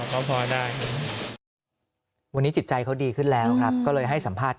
ก็พอได้วันนี้จิตใจเขาดีขึ้นแล้วครับก็เลยให้สัมภาษณ์